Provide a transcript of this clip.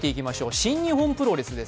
新日本プロレスです。